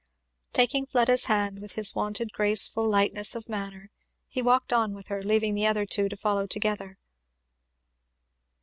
Taking Fleda's hand with his wonted graceful lightness of manner he walked on with her, leaving the other two to follow together.